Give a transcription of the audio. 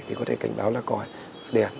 thì có thể cảnh báo là còi đèn